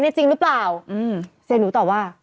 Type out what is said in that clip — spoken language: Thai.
นี่จริงหรือเปล่าเสียหนูตอบว่า